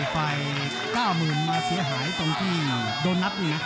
ไฟ๙๐นี่มาเสียหายตรงไหนโดนนั๊บนี้